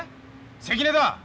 関根だ。